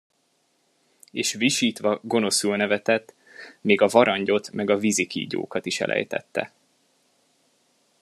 És visítva, gonoszul nevetett, még a varangyot meg a vízikígyókat is elejtette.